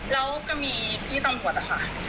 แล้วก็มีพี่ตำรวจนะคะ